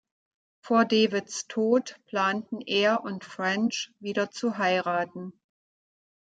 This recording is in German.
Vor Davids Tod planten er und French, wieder zu heiraten.